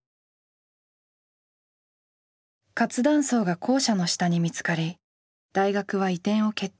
活断層が校舎の下に見つかり大学は移転を決定。